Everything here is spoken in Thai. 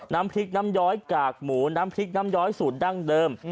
น้ำพริกน้ำย้อยกากหมูน้ำพริกน้ำย้อยสูตรดั้งเดิม